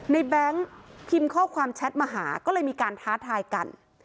แบงค์พิมพ์ข้อความแชทมาหาก็เลยมีการท้าทายกัน